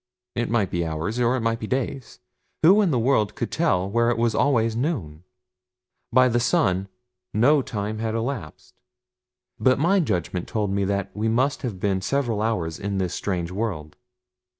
It might be hours, or it might be days who in the world could tell where it was always noon! By the sun, no time had elapsed but my judgment told me that we must have been several hours in this strange world.